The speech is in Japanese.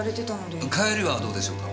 帰りはどうでしょうか？